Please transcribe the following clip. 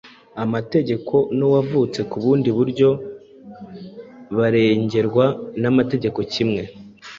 amategeko n’uwavutse ku bundi buryo barengerwa n’amategeko kimwe?